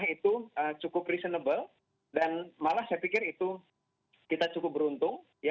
tiga lima itu cukup reasonable dan malah saya pikir itu kita cukup beruntung ya